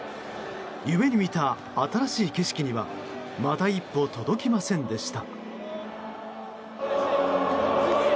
夢に見た新しい景色にはまた一歩、届きませんでした。